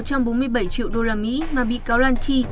trong một trăm bốn mươi bảy triệu usd mà bị cáo lan chi